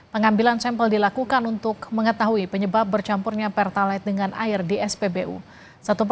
pengambilan sampel dilakukan untuk mengetahui penyebab bercampurnya pertalite dengan air di spbu